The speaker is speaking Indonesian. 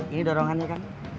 ini dorongannya kan